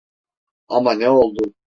Ama ne oldu?